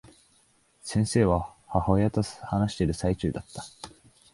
先生は、母親と話している最中だった。